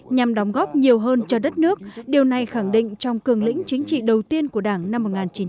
nhằm đóng góp nhiều hơn cho đất nước điều này khẳng định trong cường lĩnh chính trị đầu tiên của đảng năm một nghìn chín trăm bảy mươi